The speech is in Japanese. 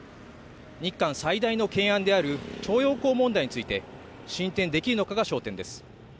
日韓最大の懸案である徴用工問題について進展できるのかが焦点です。